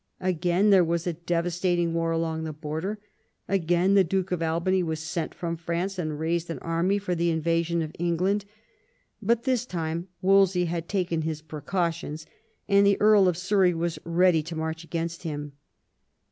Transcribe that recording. Again there was a devastating war along the Border; again the Duke of Albany was sent from France and raised an army for the invasion of England. But this time Wolsey had taken his precautions, and the Earl of Surrey was ready to march against him.